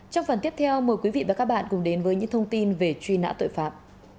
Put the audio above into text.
trong phần tiếp theo mời quý vị và các bạn cùng đến với những thông tin về truy nã tội phạm